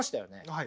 はい。